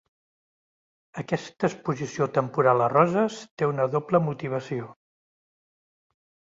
Aquesta exposició temporal a Roses té una doble motivació.